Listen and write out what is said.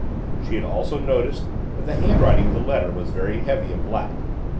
She had also noticed that the handwriting of the letter was very heavy and black.